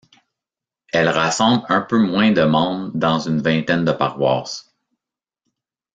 Elle rassemble un peu moins de membres dans une vingtaine de paroisses.